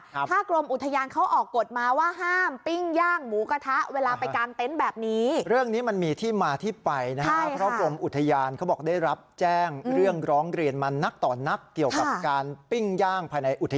ถ้ากรมอุทยานเขาออกกฎมาว่าห้ามปิ้งย่างหมูกระทะเวลาไปกางเต็นต์แบบนี้